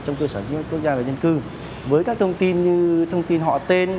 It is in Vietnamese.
trong cơ sở dữ liệu quốc gia về dân cư với các thông tin như thông tin họ tên